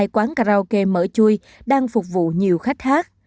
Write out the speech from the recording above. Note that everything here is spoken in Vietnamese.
hai quán karaoke mở chui đang phục vụ nhiều khách hát